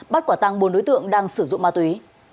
bắt quả tăng bốn đối tượng đang sử dụng ma túy